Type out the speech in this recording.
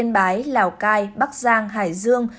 yên bái lào cai bắc giang hải dương